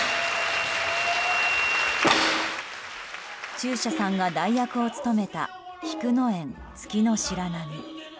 中車さんが代役を務めた「菊宴月白狼」。